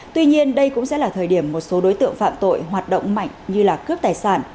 tuy nhiên đây cũng sẽ là thời điểm một số đối tượng phạm tội hoạt động mạnh như là cướp tài sản